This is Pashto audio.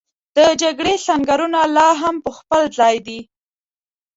د جګړې سنګرونه لا هم په خپل ځای دي.